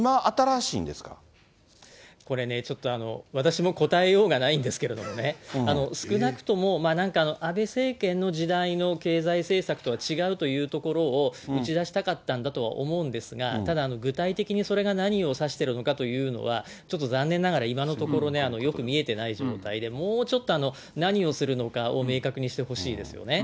これね、ちょっと私も答えようがないんですけれどもね、少なくともなんか安倍政権の時代の経済政策とは違うというところを打ち出したかったんだと思うんですが、ただ、具体的にそれが何を指しているのかというのは、ちょっと残念ながら今のところね、よく見えてない状態で、もうちょっと何をするのかを明確にしてほしいですよね。